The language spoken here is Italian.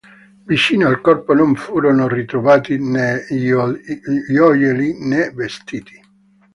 Vicino al corpo non furono ritrovati né gioielli né vestiti.